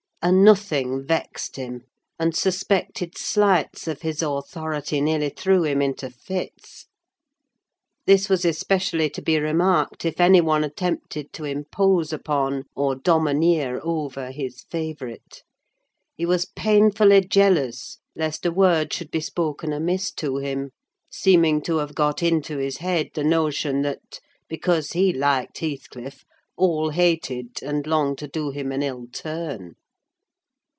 A nothing vexed him; and suspected slights of his authority nearly threw him into fits. This was especially to be remarked if any one attempted to impose upon, or domineer over, his favourite: he was painfully jealous lest a word should be spoken amiss to him; seeming to have got into his head the notion that, because he liked Heathcliff, all hated, and longed to do him an ill turn.